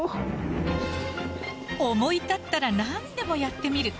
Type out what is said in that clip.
思い立ったら何でもやってみる。